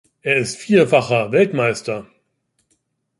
Er ist vierfacher Weltmeister.